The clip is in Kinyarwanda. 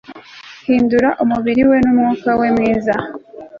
hindura umubiri we numwuka we mwiza